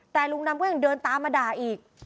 แต่ลุงนำก็ยังเดินตามมาด่าอีก